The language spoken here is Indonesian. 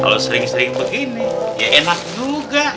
kalau sering sering begini ya enak juga